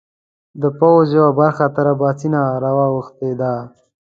د پوځ یوه برخه تر اباسین را اوښتې ده.